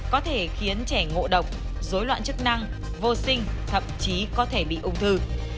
có thể khiến trẻ ngộ độc dối loạn chức năng vô sinh thậm chí có thể bị ung thư